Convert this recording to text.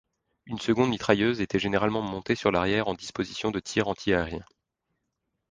Une seconde mitrailleuse était généralement montée sur l’arrière en disposition de tir anti-aérien.